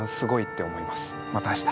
また明日。